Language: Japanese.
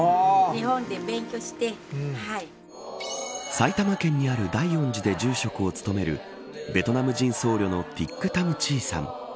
埼玉県にある大恩寺で住職を務めるベトナム人僧侶のティック・タム・チーさん。